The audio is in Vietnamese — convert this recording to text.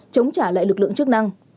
chống trả lại lực lượng chức năng